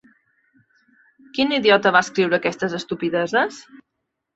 Quin idiota va escriure aquestes estupideses?